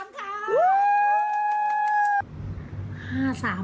๕๓ค่ะ